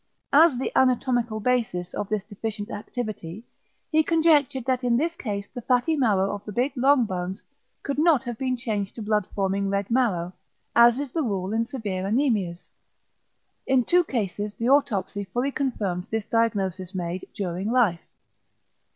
As the anatomical basis of this deficient activity, he conjectured that in this case the fatty marrow of the big long bones could not have been changed to blood forming red marrow, as is the rule in severe anæmias. In two cases the autopsy fully confirmed this diagnosis made during life.